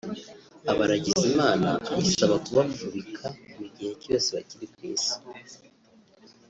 abaragiza Imana ayisaba kubafubika mu gihe cyose bakiri ku Isi